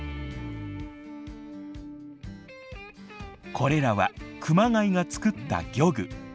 これらは熊谷が作った漁具。